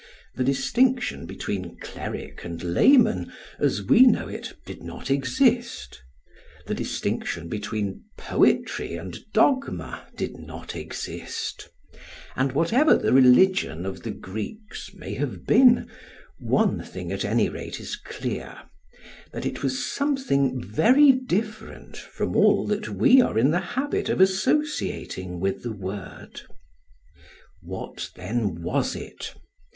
The distinction between cleric and layman, as we know it, did not exist; the distinction between poetry and dogma did not exist; and whatever the religion of the Greeks may have been, one thing at any rate is clear, that it was something very different from all that we are in the habit of associating with the word. What then was it?